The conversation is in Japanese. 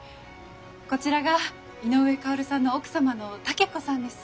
こちらが井上馨さんの奥様の武子さんです。